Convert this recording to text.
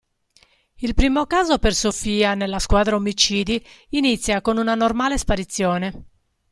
Il primo caso per Sophia nella squadra omicidi inizia con una normale sparizione.